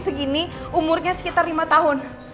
segini umurnya sekitar lima tahun